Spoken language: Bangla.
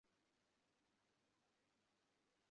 আপনি এখানকার অবস্থা আমার চেয়ে অনেক কম জানেন।